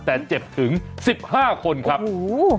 แต่เจ็บถึงสิบห้าคนครับโอ้โห